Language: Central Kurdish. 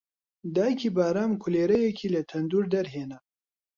دایکی بارام کولێرەیەکی لە تەندوور دەرهێنا